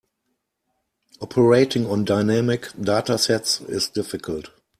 Operating on dynamic data sets is difficult.